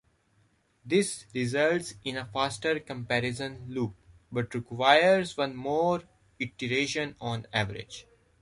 This results in a faster comparison loop, but requires one more iteration on average.